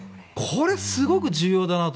すごく重要だなと。